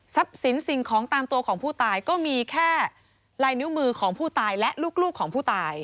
สินสิ่งของตามตัวของผู้ตายก็มีแค่ลายนิ้วมือของผู้ตายและลูกของผู้ตาย